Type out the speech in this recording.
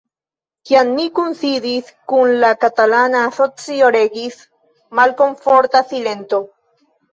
Kiam mi kunsidis kun la kataluna asocio, regis malkomforta silento.